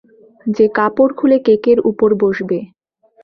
যে কাপড় খুলে কেকের উপর বসবে।